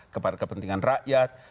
kepada kepentingan rakyat